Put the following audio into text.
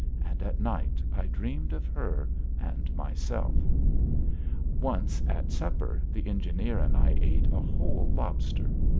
And at night I dreamed of her and myself. Once at supper the engineer and I ate a whole lobster.